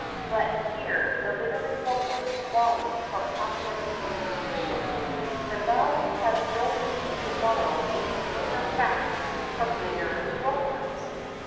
But here the literary romance borrows from popular superstition; the ballad has no need to borrow a familiar fact from literary romance.